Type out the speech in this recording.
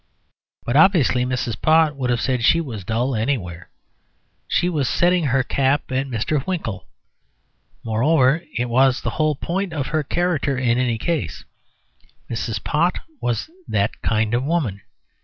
But obviously Mrs. Pott would have said she was dull anywhere. She was setting her cap at Mr. Winkle. Moreover, it was the whole point of her character in any case. Mrs. Pott was that kind of woman.